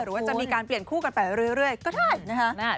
หรือว่าจะมีการเปลี่ยนคู่กันไปเรื่อยก็ได้นะฮะ